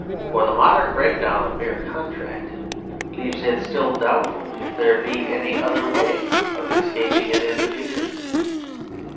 For the modern break down of mere contract leaves it still doubtful if there be any other way of escaping it in the fu ture.